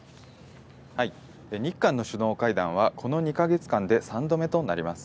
日韓の首脳会談はこの２か月間で３度目となります。